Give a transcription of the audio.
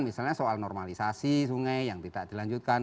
misalnya soal normalisasi sungai yang tidak dilanjutkan